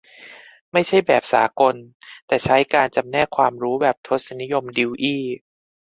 ไม่ใช่แบบสากล แต่ใช้การจำแนกความรู้แบบทศนิยมดิวอี้ ?